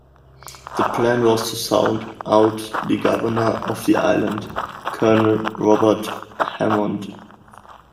The plan was to sound out the governor of the island, Colonel Robert Hammond.